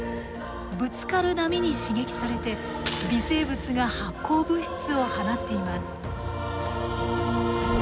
ぶつかる波に刺激されて微生物が発光物質を放っています。